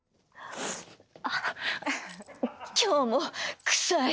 あっ今日もクサい！